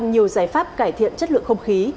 nhiều giải pháp cải thiện chất lượng không khí